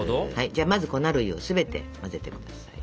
じゃあまず粉類を全て混ぜて下さい。